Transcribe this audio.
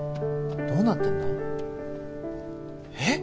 どうなってんだ？えっ！？